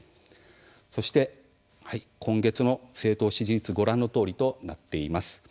そして今月の政党支持率はご覧のとおりとなっています。